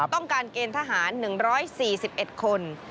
ต้องการเกณฑ์ทหาร๑๔๑คน